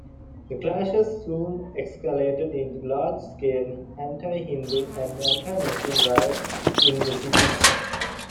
The clashes soon escalated into large-scale anti-Hindu and anti-Muslim riots in the city.